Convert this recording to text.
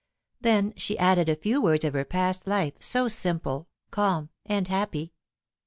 Then she added a few words of her past life, so simple, calm, and happy!